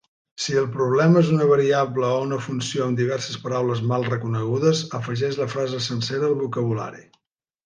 Si el problema és una variable o una funció amb diverses paraules mal reconegudes, afegeix la frase sencera al vocabulari.